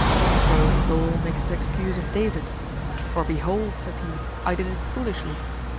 So Saul makes his excuse of David, "For behold," says he, "I did it foolishly."